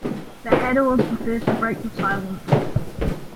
The Hatter was the first to break the silence.